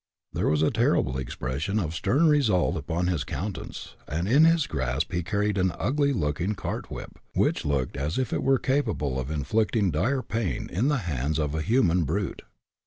There was a terrible expression of stern resolve upon his countenance, and in his grasp he carried an ugly looking cart whip, which looked as if it were capable of inflicting dire pain in the hands of a human brute.